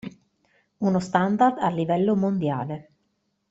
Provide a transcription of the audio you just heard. Uno standard a livello mondiale.